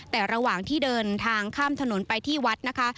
แต่ระหว่างที่เดินทางข้ามถนนไปที่วัดนะคะ